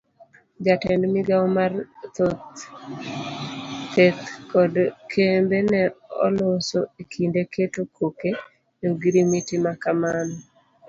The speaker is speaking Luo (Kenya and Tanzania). Jatend migawo mar theth kod kembe ne oloso ekinde keto koke e ogirimiti makamano.